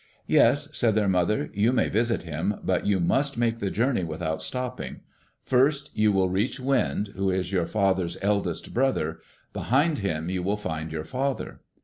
"Yes," said their mother. "You may visit him, but you must make the journey without stopping. First you will reach Wind, who is your father's eldest brother. Behind him you will find your father."